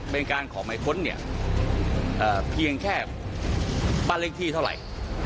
เป็นการขอหมายค้นเนี่ยเพียงแค่บ้านเลขที่เท่าไหร่